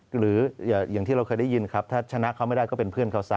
หรืออย่างที่เราเคยได้ยินครับถ้าชนะเขาไม่ได้ก็เป็นเพื่อนเขาซะ